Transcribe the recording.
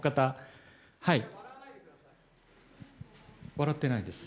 笑ってないです。